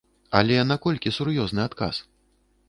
Але наколькі сур'ёзны адказ?